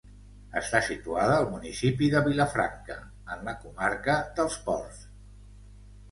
Està situada al municipi de Vilafranca, en la comarca dels Ports.